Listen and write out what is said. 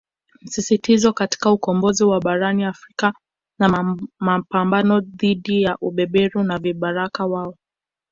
Msisitizo katika ukombozi wa Barani Afrika na mapambano dhidi ya ubeberu na vibaraka wao